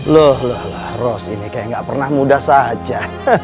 loh loh ros ini kayak gak pernah muda saja